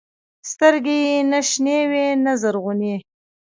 سترګې يې نه شنې وې نه زرغونې.